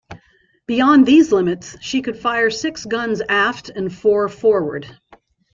Beyond these limits she could fire six guns aft, and four forward.